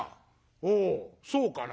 「おおそうかな」。